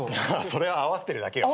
それは合わせてるだけよ。